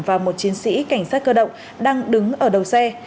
và một chiến sĩ cảnh sát cơ động đang đứng ở đầu xe